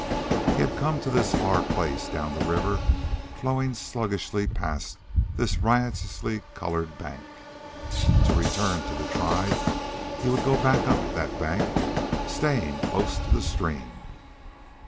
He had come to this far place down the river flowing sluggishly past this riotously colored bank. To return to the tribe he would go back up that bank, staying close to the stream.